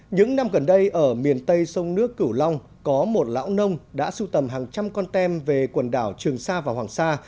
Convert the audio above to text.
những năm gần đây ở miền tây sông nước cửu long có một lão nông đã sưu tầm hàng trăm con tem về quần đảo trường sa và hoàng sa